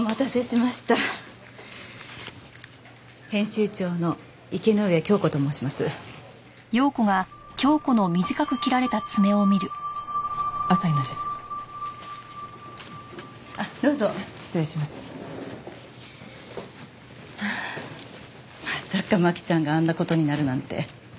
まさか真輝ちゃんがあんな事になるなんて。